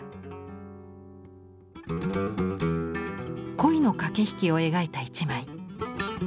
恋の駆け引きを描いた一枚。